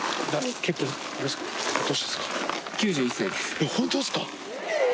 えっ本当ですか？